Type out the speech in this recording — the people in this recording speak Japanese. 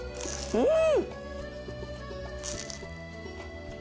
うん。